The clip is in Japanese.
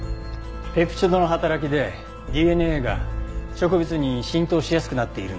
ペプチドの働きでＤＮＡが植物に浸透しやすくなっているんです。